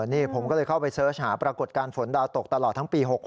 นี่ผมก็เลยเข้าไปเสิร์ชหาปรากฏการณ์ฝนดาวตกตลอดทั้งปี๖๖